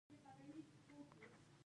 دوی ښکلي پوسټرونه جوړوي.